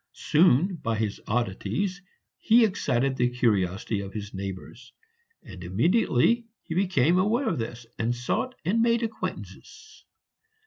Soon, by his oddities, he excited the curiosity of his neighbors; and immediately he became aware of this, he sought and made acquaintances.